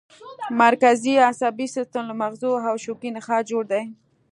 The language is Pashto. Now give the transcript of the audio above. مرکزي عصبي سیستم له مغزو او شوکي نخاع جوړ دی